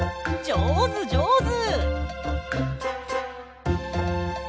じょうずじょうず。